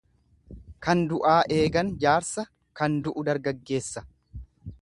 Kan du'aa eegan jaarsa kan du'u dargageessa.